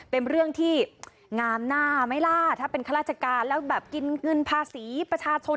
เป็นเรื่องที่งามหน้าไหมล่ะถ้าเป็นข้าราชการแล้วแบบกินเงินภาษีประชาชน